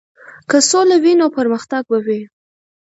که سوله وي نو پرمختګ به وي.